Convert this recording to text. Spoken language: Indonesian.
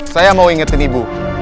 saya mau ingetin ibu